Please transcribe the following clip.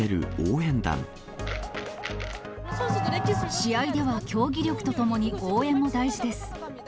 試合では競技力とともに、応援も大事です。